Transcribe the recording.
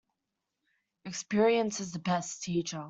Experience is the best teacher.